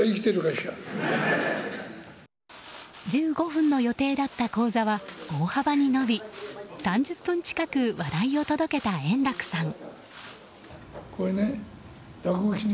１５分の予定だった高座は大幅に伸び３０分近く笑いを届けた円楽さん。